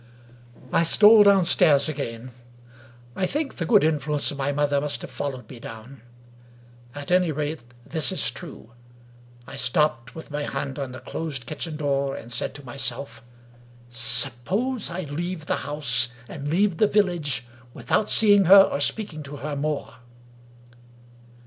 I stole downstairs again. I think the good influence of my mother must have followed me down. At any rate, this is true : I stopped with my hand on the closed kitchen door, and said to myself: " Suppose I leave the house, and leave the village, without seeing her or speaking to her more